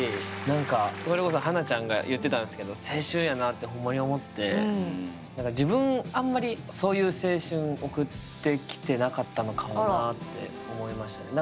何かそれこそ華ちゃんが言ってたんすけど青春やなあってほんまに思って自分あんまりそういう青春送ってきてなかったのかもなあって思いましたね。